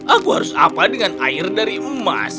aku harus apa dengan air dari emas